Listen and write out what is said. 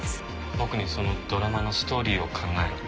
僕にそのドラマのストーリーを考えろと？